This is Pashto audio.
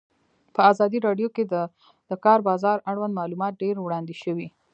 په ازادي راډیو کې د د کار بازار اړوند معلومات ډېر وړاندې شوي.